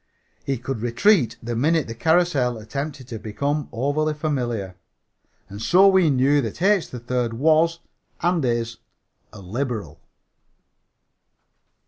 He could retreat the minute the carrousel attempted to become overly familiar. And so we knew that H. 3rd was and is a liberal.